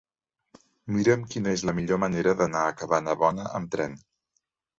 Mira'm quina és la millor manera d'anar a Cabanabona amb tren.